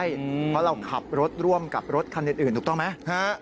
เพราะเราขับรถร่วมกับรถคันอื่นถูกต้องไหม